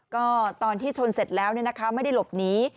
ก็ตอนที่ชนเสร็จแล้วไม่ได้หลบหนี